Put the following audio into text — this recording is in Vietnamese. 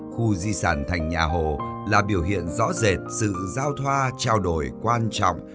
khu di sản thành nhà hồ là biểu hiện rõ rệt sự giao thoa trao đổi quan trọng